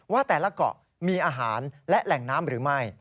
ว่าแต่ละเกาะมีอาหารและแหล่งน้ำหรือไม่